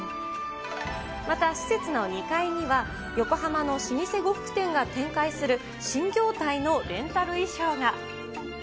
また施設の２階には、横浜の老舗呉服店が展開する、新業態のレンタル衣装が。